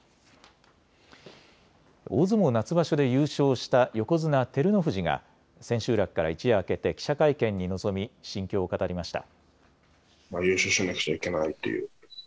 大相撲夏場所で優勝した横綱・照ノ富士が千秋楽から一夜明けて記者会見に臨み心境を語りました。